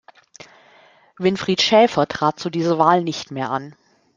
Winfried Schäfer trat zu dieser Wahl nicht mehr an.